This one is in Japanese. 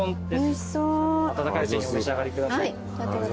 温かいうちにお召し上がりください。